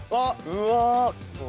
うわ。